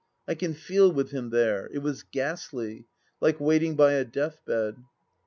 I can feel with him there ; it was ghastly ; like waiting by a death bed. .